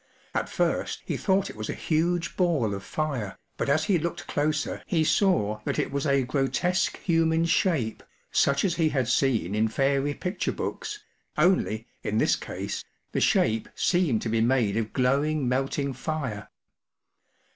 At first he thought it was a huge ball of fire, but as he looked closer he saw that it was a grotesque human shape, such as he had seen in fairy picture books, only, in this case, the shape seemed to be made of glowing melting fire.